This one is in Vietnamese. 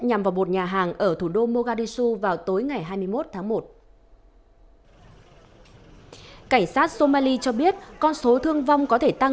nhằm vào một nhà hàng ở thủ đô moga